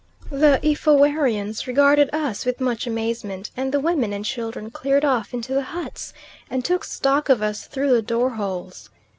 The Efouerians regarded us with much amazement, and the women and children cleared off into the huts, and took stock of us through the door holes.